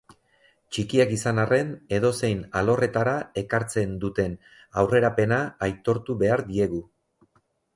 Txikiak izan arren, edozein alorretara ekartzen duten aurrerapena aitortu behar diegu.